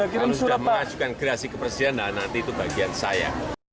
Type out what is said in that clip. kalau sudah mengajukan gerasi ke presiden nanti itu bagian saya